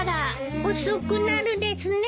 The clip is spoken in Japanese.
遅くなるですね。